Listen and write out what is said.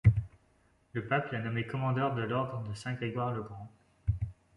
Le Pape l'a nommé commandeur de l'ordre de Saint-Grégoire-le-Grand.